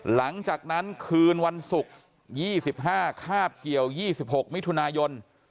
หลังจากนั้นคืนวันศุกร์๒๕คาบเกี่ยว๒๖มิถุนายน